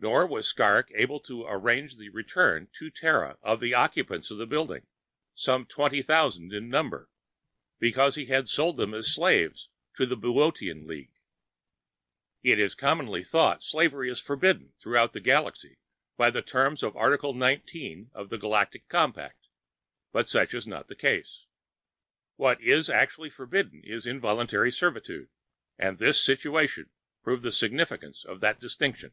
Nor was Skrrgck able to arrange the return to Terra of the occupants of the building, some 20,000 in number, because he had sold them as slaves to the Boötean League. It is commonly thought slavery is forbidden throughout the Galaxy by the terms of Article 19 of the Galactic Compact, but such is not the case. What is actually forbidden is "involuntary servitude" and this situation proved the significance of that distinction.